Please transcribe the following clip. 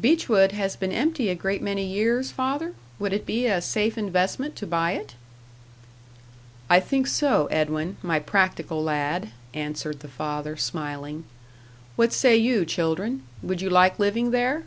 "Beechwood has been empty a great many years, father? Would it be a safe investment to buy it?" "I think so, Edwin, my practical lad," answered the father, smiling. "What say you, children? Would you like living there?"